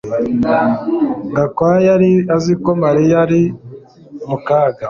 Gakwaya yari azi ko Mariya ari mu kaga